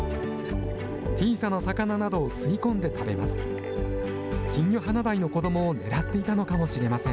小さな魚などを吸い込んで食べます。